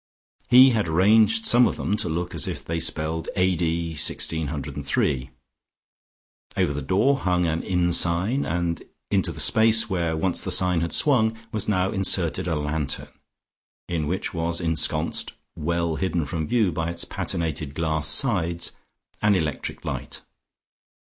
He had arranged some of them to look as if they spelled A.D. 1603. Over the door hung an inn sign, and into the space where once the sign had swung was now inserted a lantern, in which was ensconced, well hidden from view by its patinated glass sides, an electric light.